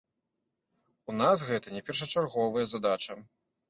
У нас гэта не першачарговая задача.